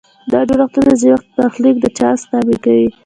دا جوړښتونه ځینې وخت برخلیک د چانس تابع کوي.